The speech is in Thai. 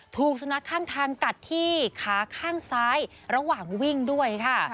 ถูกสุนัขข้างทางกัดที่ขาข้างซ้ายระหว่างวิ่งด้วยค่ะ